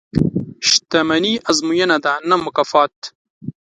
• شتمني ازموینه ده، نه مکافات.